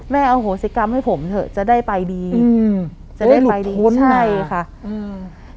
อโหสิกรรมให้ผมเถอะจะได้ไปดีอืมจะได้ไปดีใช่ค่ะอืม